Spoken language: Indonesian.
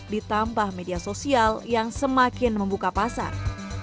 ditambah media sosial yang semakin membuka pasar